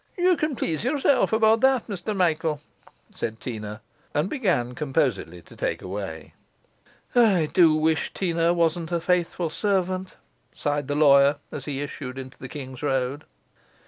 'Ye can please yourself about that, Mr Michael,' said Teena, and began composedly to take away. 'I do wish Teena wasn't a faithful servant!' sighed the lawyer, as he issued into Kings's Road.